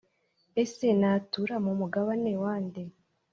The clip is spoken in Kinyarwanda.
ese natura mu mugabane wa nde?